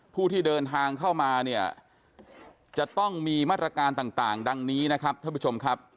ผู้ที่เดินทางเข้ามาเนี่ยจะต้องมีมาตรการต่างดังนี้นะครับท่านผู้ชมครับ